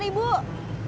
gak tahu mbak